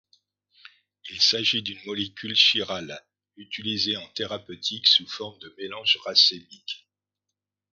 Il s'agit d'une molécule chirale, utilisée en thérapeutique sous forme de mélange racémique.